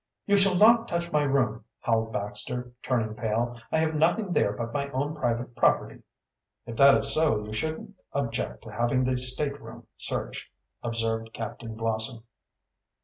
"You shall not touch my room!" howled Baxter, turning pale. "I have nothing there but my own private property." "If that is so, you shouldn't object to having the stateroom searched," observed Captain Blossom.